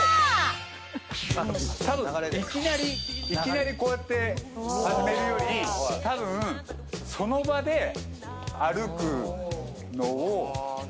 「たぶんいきなりこうやって始めるよりたぶんその場で歩くのを」